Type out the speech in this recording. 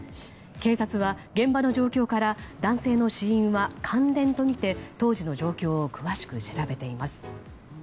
警察は、現場の状況から男性の死因は感電とみて、当時の状況を詳しく調べています。